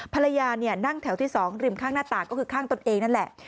ภรรยานั่งแถวที่๒ริมข้างหน้าต่างก็คือข้างตนเองนั่นแหละ